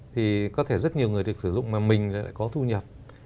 thì có thể rất nhiều người được sử dụng mà mình lại có thu nhập